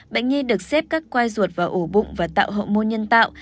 bệnh nhi được xếp các quai ruột vào ổ bụng và tạo hậu môn nhân tạo